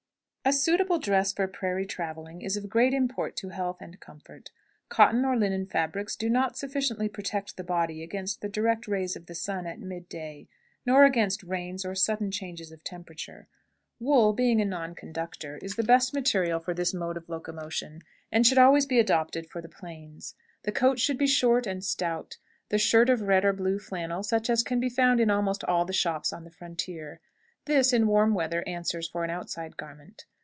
A suitable dress for prairie traveling is of great import to health and comfort. Cotton or linen fabrics do not sufficiently protect the body against the direct rays of the sun at midday, nor against rains or sudden changes of temperature. Wool, being a non conductor, is the best material for this mode of locomotion, and should always be adopted for the plains. The coat should be short and stout, the shirt of red or blue flannel, such as can be found in almost all the shops on the frontier: this, in warm weather, answers for an outside garment.